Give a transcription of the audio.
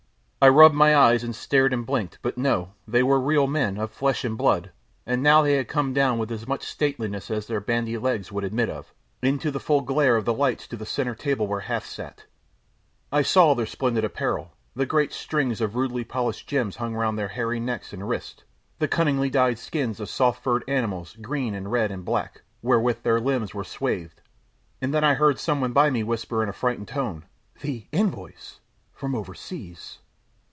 I rubbed my eyes and stared and blinked, but no! they were real men, of flesh and blood, and now they had come down with as much stateliness as their bandy legs would admit of, into the full glare of the lights to the centre table where Hath sat. I saw their splendid apparel, the great strings of rudely polished gems hung round their hairy necks and wrists, the cunningly dyed skins of soft furred animals, green and red and black, wherewith their limbs were swathed, and then I heard some one by me whisper in a frightened tone, "The envoys from over seas."